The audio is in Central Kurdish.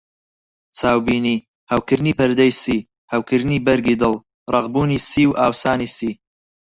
چاوبینی: هەوکردنی پەردەی سی، هەوکردنی بەرگی دڵ، ڕەقبوونی سی و ئاوسانی سی.